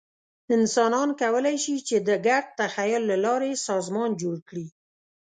انسانان کولی شي، چې د ګډ تخیل له لارې سازمان جوړ کړي.